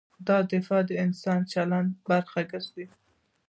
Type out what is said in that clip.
دا دفاع د انسان د چلند برخه ګرځي.